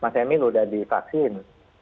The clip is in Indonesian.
mas emil sudah divaksin